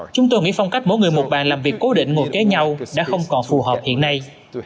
chúng tôi nghĩ phong cách mỗi người một bàn làm việc cố định ngồi kế nhau đã không còn phù hợp hiện nay